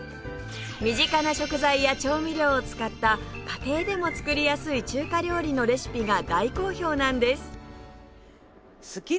身近な食材や調味料を使った家庭でも作りやすい中華料理のレシピが大好評なんです